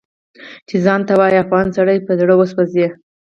چې ځان ته ووايي افغان سړی په زړه وسوځي